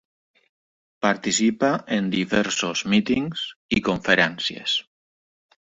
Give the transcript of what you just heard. Participa en diversos mítings i conferències.